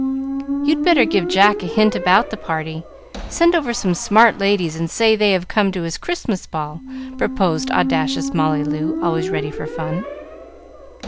"You'd better give Jack a hint about the party. Send over some smart ladies, and say they have come to his Christmas ball," proposed audacious Molly Loo, always ready for fun.